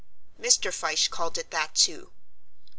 Mr. Fyshe called it that too.